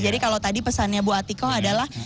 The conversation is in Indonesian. kalau tadi pesannya bu atiko adalah